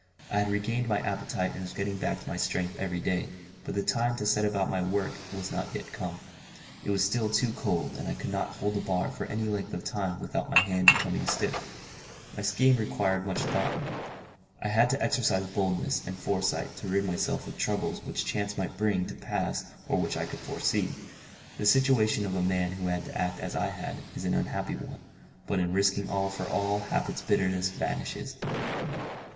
I had regained my appetite and was getting back my strength every day, but the time to set about my work was not yet come; it was still too cold, and I could not hold the bar for any length of time without my hand becoming stiff. My scheme required much thought. I had to exercise boldness and foresight to rid myself of troubles which chance might bring to pass or which I could foresee. The situation of a man who had to act as I had, is an unhappy one, but in risking all for all half its bitterness vanishes.